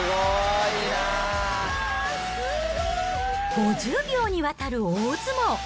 ５０秒にわたる大相撲。